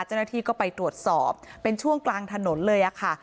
เจ้าหน้าที่ก็ไปตรวจสอบเป็นช่วงกลางถนนเลยค่ะ